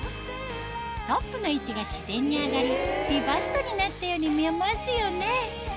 トップの位置が自然に上がり美バストになったように見えますよね